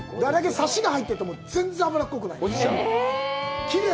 サシが入ってても、全然脂っこくない。